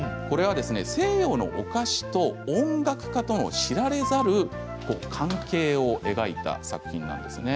西洋のお菓子と音楽家との知られざる関係を描いています。